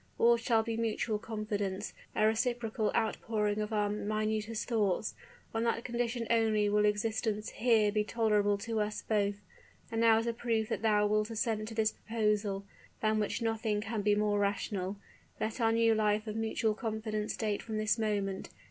All shall be mutual confidence a reciprocal outpouring of our minutest thoughts. On that condition only will existence here be tolerable to us both. And now as a proof that thou wilt assent to this proposal than which nothing can be more rational let our new life of mutual confidence date from this moment.